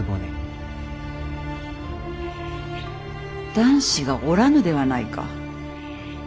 男子がおらぬではないか。